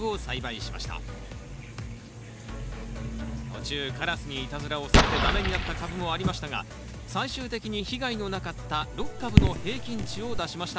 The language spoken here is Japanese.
途中カラスにいたずらをされて駄目になった株もありましたが最終的に被害のなかった６株の平均値を出しました。